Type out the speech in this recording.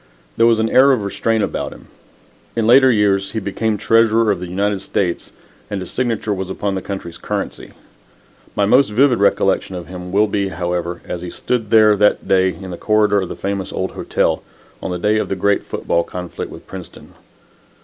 There was an air of restraint upon him. In later years he became Treasurer of the United States and his signature was upon the country's currency. My most vivid recollection of him will be, however, as he stood there that day in the corridor of the famous old hotel, on the day of a great football conflict with Princeton.